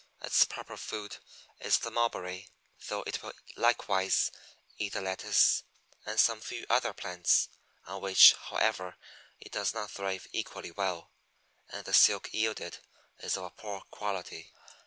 Its proper food is the Mulberry, though it will likewise eat the Lettuce, and some few other plants, on which, however, it does not thrive equally well, and the silk yielded is of a poor quality.